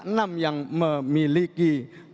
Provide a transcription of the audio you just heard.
enam yang memiliki